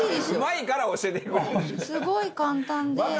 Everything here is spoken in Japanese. すごい簡単で。